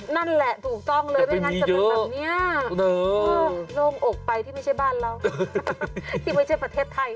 นั่นแหละถูกต้องเลยไม่งั้นจะเป็นแบบนี้โล่งอกไปที่ไม่ใช่บ้านเราที่ไม่ใช่ประเทศไทย